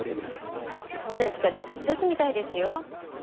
そうですけど留守みたいですよ。